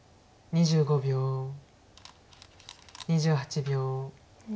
２８秒。